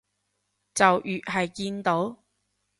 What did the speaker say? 就越係見到